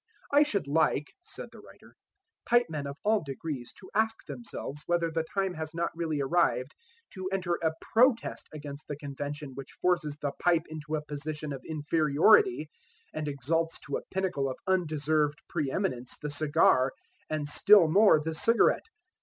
"I should like," said the writer, "pipe men of all degrees to ask themselves whether the time has not really arrived to enter a protest against the convention which forces the pipe into a position of inferiority, and exalts to a pinnacle of undeserved pre eminence the cigar, and still more the cigarette